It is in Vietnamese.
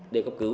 để có cứu